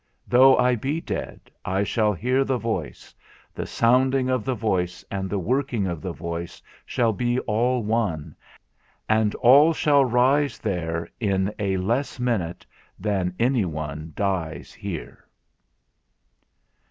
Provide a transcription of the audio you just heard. Though I be dead, I shall hear the voice; the sounding of the voice and the working of the voice shall be all one; and all shall rise there in a less minute than any one dies here.